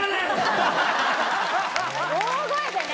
大声でね。